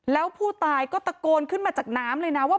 แล้วผู้ตายก็ตะโกนขึ้นมาจากน้ำเลยนะว่า